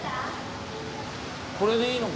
これでいいの？